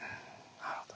なるほど。